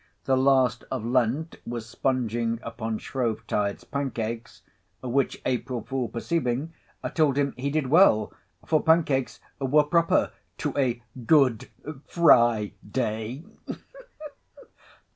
The Last of Lent was spunging upon Shrovetide's pancakes; which April Fool perceiving, told him he did well, for pancakes were proper to a good fry day.